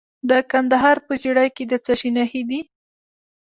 د کندهار په ژیړۍ کې د څه شي نښې دي؟